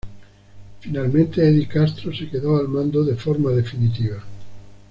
Finalmente Eddie Castro se quedó al mando de forma definitiva.